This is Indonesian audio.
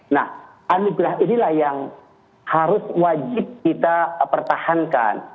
nah anugerah inilah yang harus wajib kita pertahankan